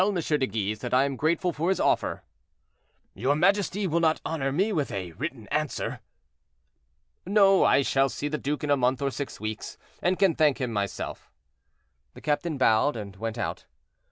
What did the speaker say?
de Guise that I am grateful for his offer." "Your majesty will not honor me with a written answer?" "No, I shall see the duke in a month or six weeks, and can thank him myself." The captain bowed and went out.